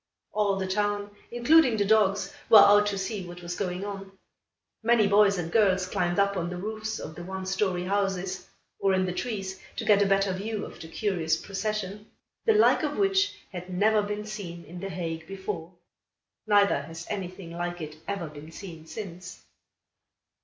All the town, including the dogs, were out to see what was going on. Many boys and girls climbed up on the roofs of the one story houses, or in the trees to get a better view of the curious procession the like of which had never been seen in The Hague before. Neither has anything like it ever been seen since.